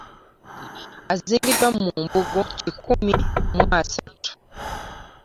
Aziingiddwa mu mbugo kikumi mu asatu